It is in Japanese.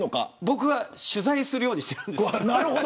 僕は取材するようにしてるんですよ。